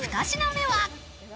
２品目は。